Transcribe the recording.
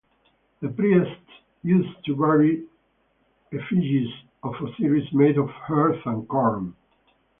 The priests used to bury effigies of Osiris made of earth and corn.